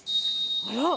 あら！